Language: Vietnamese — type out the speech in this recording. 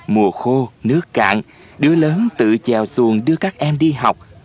mùa khô nước cạn đứa lớn tự chèo xuồng đưa các em đi học